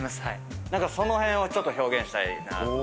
その辺をちょっと表現したいなと。